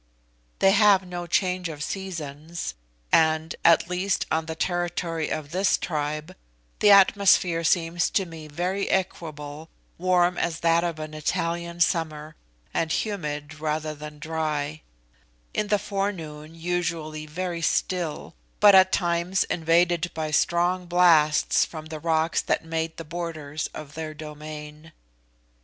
They have no change of seasons, and, at least on the territory of this tribe, the atmosphere seemed to me very equable, warm as that of an Italian summer, and humid rather than dry; in the forenoon usually very still, but at times invaded by strong blasts from the rocks that made the borders of their domain.